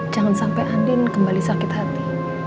jangan sampai andin kembali sakit hati